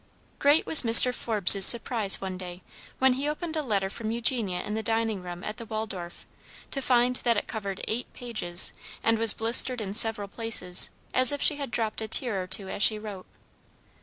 Great was Mr. Forbes's surprise one day, when he opened a letter from Eugenia in the dining room at the Waldorf, to find that it covered eight pages, and was blistered in several places, as if she had dropped a tear or two as she wrote.